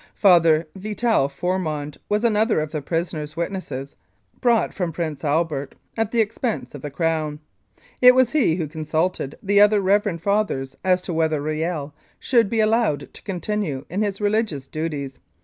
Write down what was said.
Father Vital Fourmond was another of the prisoner's witnesses brought from Prince Albert at the expense of the Crown. It was he who consulted the other Reverend Fathers as to whether Riel should be allowed to continue in his religious duties.